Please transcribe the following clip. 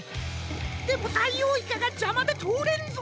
でもダイオウイカがじゃまでとおれんぞ。